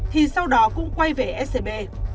thì sau đó cũng quay về scb